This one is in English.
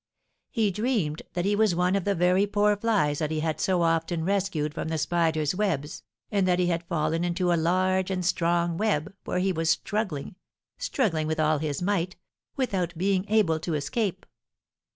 He dreamed that he was one of the very poor flies that he had so often rescued from the spiders' webs, and that he had fallen into a large and strong web, where he was struggling, struggling with all his might, without being able to escape.